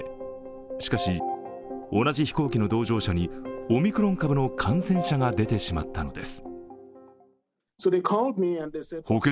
しかし、同じ飛行機の同乗者にオミクロン株の感染者が出てしまったのです。